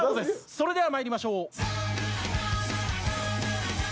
それでは参りましょう。